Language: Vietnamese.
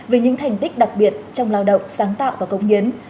về những thành tích đặc biệt trong lao động sáng tạo và công nghiến